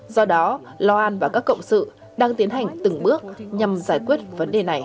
do đó lawan và các cộng sự đang tiến hành từng bước nhằm giải quyết vấn đề này